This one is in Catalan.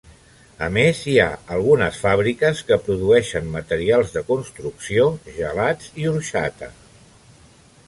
A més, hi ha algunes fàbriques que produeixen materials de construcció, gelats i orxata.